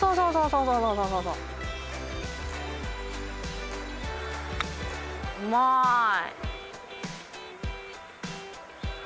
うまい。